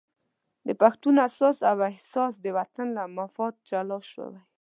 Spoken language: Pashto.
د پښتون اساس او احساس د وطن له مفاد جلا شوی.